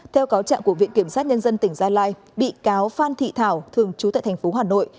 theo cáo trạng của viện kiểm sát nhân dân tỉnh gia lai bị cáo phan thị thảo thường trú tại thành phố hà nội